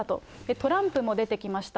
トランプも出てきました。